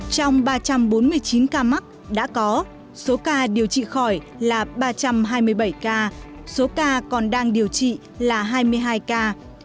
trong ba trăm bốn mươi chín ca mắc đã có số ca điều trị khỏi là ba trăm hai mươi bảy ca số ca còn đang điều trị là hai mươi hai ca